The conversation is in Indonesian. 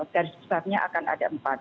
garis besar nya akan ada empat